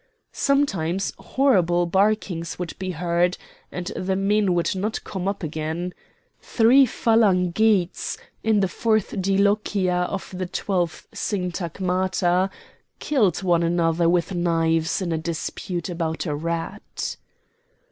Sometimes horrible barkings would be heard and the man would not come up again. Three phalangites, in the fourth dilochia of the twelfth syntagmata, killed one another with knives in a dispute about a rat.